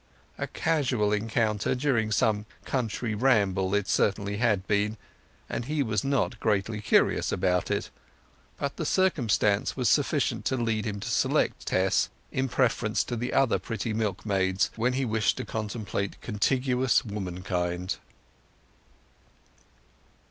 A casual encounter during some country ramble it certainly had been, and he was not greatly curious about it. But the circumstance was sufficient to lead him to select Tess in preference to the other pretty milkmaids when he wished to contemplate contiguous womankind.